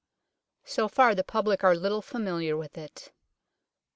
So far the public are little familiar with it.